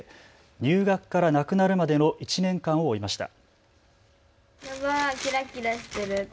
入学から亡くなるまでの１年間を追いました。